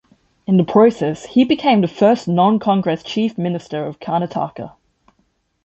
In the process, he became the first non-Congress chief minister of Karnataka.